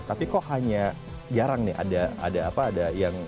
tapi kok hanya jarang nih ada apa ada yang